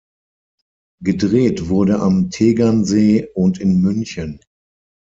Gedreht wurde am Tegernsee und in München.